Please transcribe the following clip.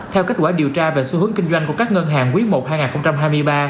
theo kết quả điều tra về xu hướng kinh doanh của các ngân hàng quý i hai nghìn hai mươi ba